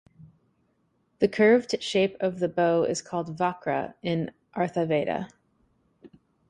The curved shape of the bow is called "vakra" in "Artha Veda".